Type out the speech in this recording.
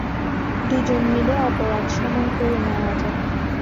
দুজনে মিলে অপরাধ সমান করে নেওয়া যাক।